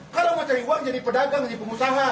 kalau mau cari uang jadi pedagang jadi pengusaha